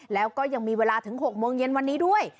แล้วก็ยังมีเวลาถึง๖โมงเย็นวันนี้ด้วย